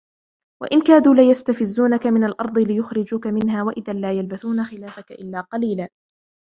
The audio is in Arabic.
وإن كادوا ليستفزونك من الأرض ليخرجوك منها وإذا لا يلبثون خلافك إلا قليلا